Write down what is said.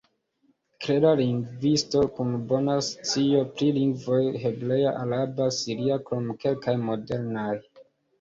Klera lingvisto, kun bona scio pri lingvoj hebrea, araba, siria krom kelkaj modernaj.